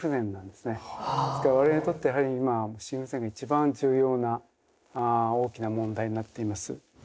ですから我々にとってやはり今は心不全が一番重要な大きな問題になっています。